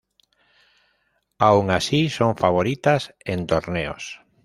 Aun así son favoritas en torneos.